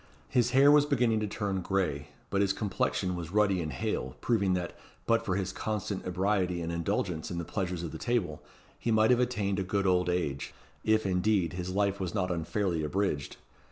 His hair was beginning to turn gray, but his complexion was ruddy and hale, proving that, but for his constant ebriety and indulgence in the pleasures of the table, he might have attained a good old age if, indeed, his life was not unfairly abridged.